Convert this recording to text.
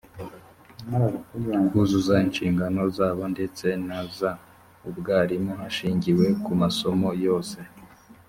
kuzuza inshingano zabo ndetse na zaubwarimu hashingiwe ku masomo yose